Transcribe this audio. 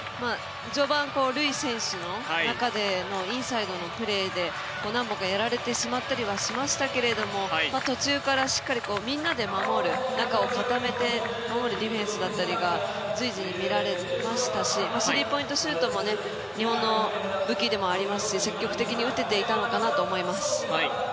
序盤、ルイ選手の中でのインサイドのプレーで、何本かやられてしまったりはしましたが途中からしっかりみんなで守る中を固めて守るディフェンスだったりが随時に見られましたし、スリーポイントシュートも日本の武器でもありますし積極的に打てていたのかなと思います。